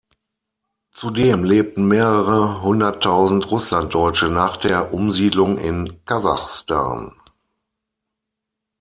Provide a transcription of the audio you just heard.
Zudem lebten mehrere Hunderttausend Russlanddeutsche nach der Umsiedlung in Kasachstan.